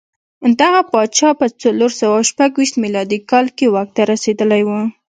دغه پاچا په څلور سوه شپږ ویشت میلادي کال کې واک ته رسېدلی و